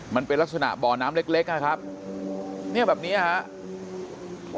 มันเป็นลักษณะบ่อน้ำเล็กเล็กอ่ะครับเนี่ยแบบเนี้ยครับ